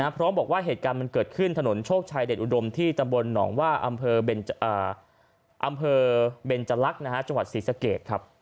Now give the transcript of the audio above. พร้อมบอกว่าเหตุการณ์มันเกิดขึ้นถนนโชคชัยเดชอุดมที่ตำบลหนองว่าอำเภอเบนจรักษ์จังหวัดศรีสะเกดครับ